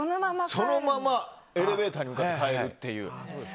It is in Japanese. そのままエレベーターに向かって帰るっていう。